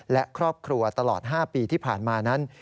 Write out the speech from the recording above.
และครอบครัวตลอด๕ปีที่ผ่านมานั้น